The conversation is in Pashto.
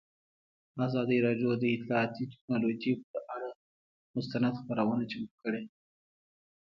ازادي راډیو د اطلاعاتی تکنالوژي پر اړه مستند خپرونه چمتو کړې.